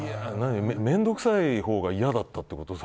面倒くさいほうが嫌だったってこと？